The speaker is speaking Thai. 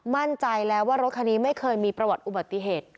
มั่นใจแล้วว่ารถคันนี้ไม่เคยมีประวัติอุบัติเหตุ